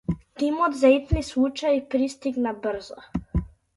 Тимот за итни случаи пристигна брзо.